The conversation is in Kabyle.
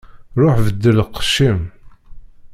Ṛuḥ beddel lqecc-im.